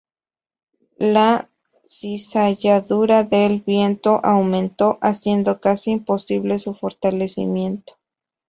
La cizalladura del viento aumentó, haciendo casi imposible su fortalecimiento.